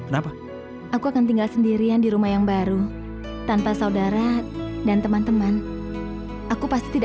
nak jangan lari lari nanti kamu jatuh